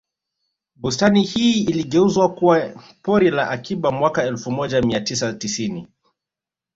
Bustani hii iligeuzwa kuwa pori la akiba mwaka elfu moja mia tisa tisini